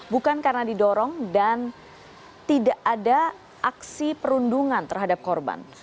bukan karena didorong dan tidak ada aksi perundungan terhadap korban